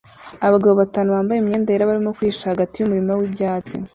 Abagabo batanu bambaye imyenda yera barimo kwihisha hagati yumurima wibyatsi